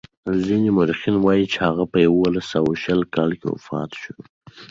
ځینې مورخین وايي چې هغه په یوولس سوه شل کال کې وفات شو.